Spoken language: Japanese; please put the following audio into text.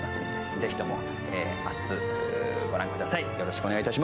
ぜひとも明日、御覧ください。